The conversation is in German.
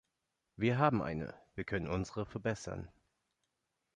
Wir haben eine wir können unsere verbessern.